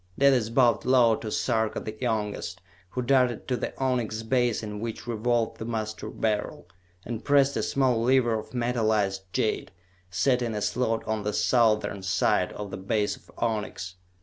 Dalis bowed low to Sarka the Youngest, who darted to the onyx base in which revolved the Master Beryl, and pressed a small lever of metalized jade, set in a slot on the southern side of the base of onyx.